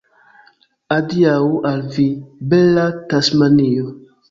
Adiaŭ al vi, bela Tasmanio!